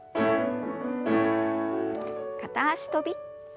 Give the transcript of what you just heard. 片脚跳び。